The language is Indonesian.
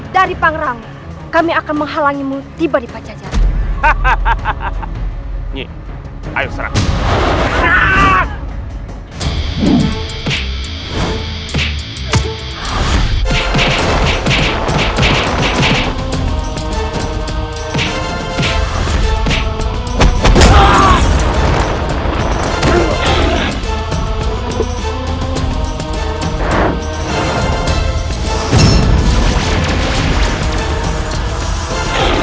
dari pangerang kami akan menghalangi mu tiba di pajajara hahaha nyi ayo serang